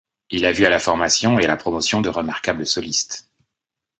Il a vu à la formation et à la promotion de remarquables solistes.